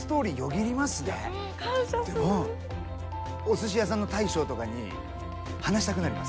おすし屋さんの大将とかに話したくなりますよね。